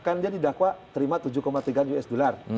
kan dia didakwa terima tujuh tiga usd